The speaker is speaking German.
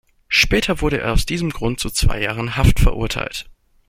Später wurde er aus diesem Grund zu zwei Jahren Haft verurteilt.